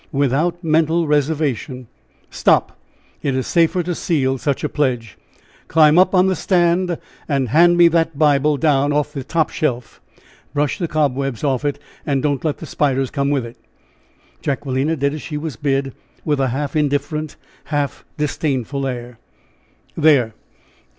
"Without mental reservation!" "Stop! it is safer to seal such a pledge! Climb up on the stand, and hand me that Bible down off the top shelf. Brush the cobwebs off it, and don't let the spiders come with it." Jacquelina did as she was bid, with a half indifferent, half disdainful air. "There!